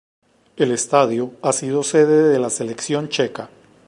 El estadio ha sido sede de la selección checa.